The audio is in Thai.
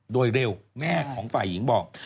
โดยเร็วแม่ของฝ่ายหญิงบอก